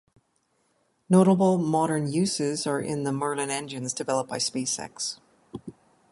Notable modern uses are in the Merlin engines developed by SpaceX.